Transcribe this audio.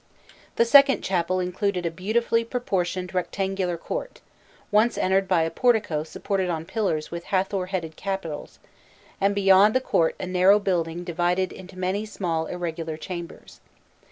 The second chapel included a beautifully proportioned rectangular court, once entered by a portico supported on pillars with Hâthor head capitals, and beyond the court a narrow building divided into many small irregular chambers.